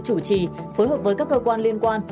chủ trì phối hợp với các cơ quan liên quan